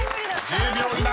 ［１０秒以内。